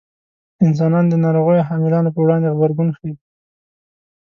انسانان د ناروغیو حاملانو په وړاندې غبرګون ښيي.